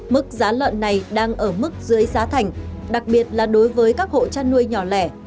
mức giá lợn này đang ở mức dưới giá thành đặc biệt là đối với các hộ chăn nuôi nhỏ lẻ